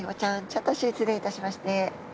ちょっと失礼いたしますね。